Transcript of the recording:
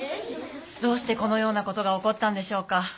どうしてこのようなことがおこったんでしょうか。